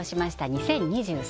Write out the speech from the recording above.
２０２３」